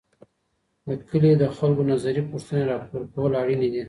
د کلي د خلګو نظري پوښتني راپور کول اړیني دي.